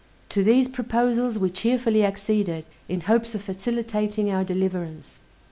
To these proposals we cheerfully acceded, in hopes of facilitating our deliverance.